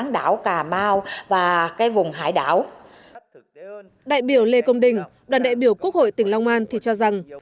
đại biểu lê công đình đoàn đại biểu quốc hội tỉnh long an thì cho rằng